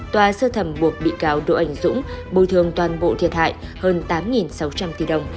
tòa sơ thẩm buộc bị cáo đỗ anh dũng bồi thường toàn bộ thiệt hại hơn tám sáu trăm linh tỷ đồng